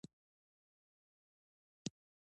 هغه شاته ودریده او ورته یې وکتل